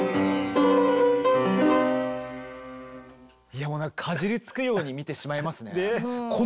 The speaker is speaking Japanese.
いやもうかじりつくように見てしまいますね。